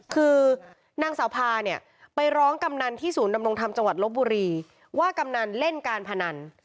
คือนางสาวพาเนี่ยไปร้องกำนันที่ศูนย์ดำรงธรรมจังหวัดลบบุรีว่ากำนันเล่นการพนัน